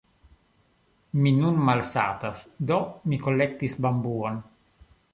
Mi nun malsatas, do mi kolektis bambuon.